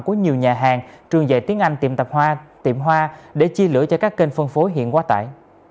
của nhiều nhà hàng trường dạy tiếng anh tiệm tạp hoa tiệm hoa để chia lửa cho các kênh phân phối hiện quá tải